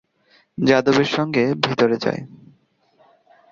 যাদবের সঙ্গে ভিতরে যায়।